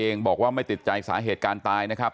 เองบอกว่าไม่ติดใจสาเหตุการณ์ตายนะครับ